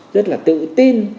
rất là tự tin